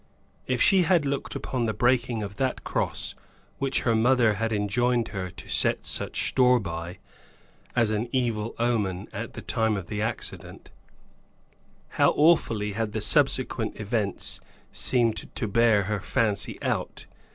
If she had looked upon the breaking of that cross which her mother had enjoined her to set such store by, as an evil omen, at the time of the accident, how awfully had the subsequent events seemed to bear her fancy out!